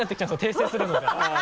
訂正するのが。